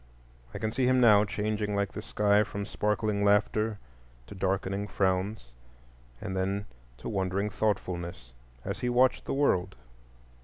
I can see him now, changing like the sky from sparkling laughter to darkening frowns, and then to wondering thoughtfulness as he watched the world.